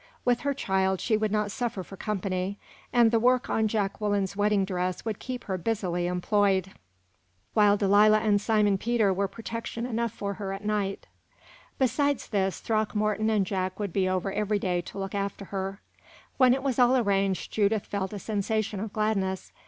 With her child she would not suffer for company, and the work on Jacqueline's wedding dress would keep her busily employed, while Delilah and Simon Peter were protection enough for her at night. Besides this, Throckmorton and Jack would be over every day to look after her. When it was all arranged, Judith felt a sensation of gladness.